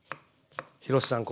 廣瀬さん